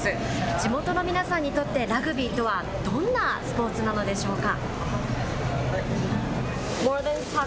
地元の皆さんにとってラグビーとは、どんなスポーツなのでしょうか。